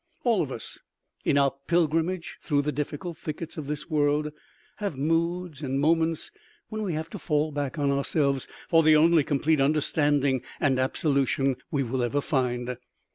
All of us, in our pilgrimage through the difficult thickets of this world, have moods and moments when we have to fall back on ourselves for the only complete understanding and absolution we will ever find.